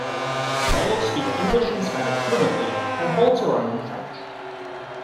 Vale speaks English and Spanish fluently, and holds her own in French.